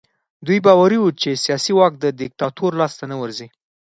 دوی باوري وو چې سیاسي واک د دیکتاتور لاس ته نه ورځي.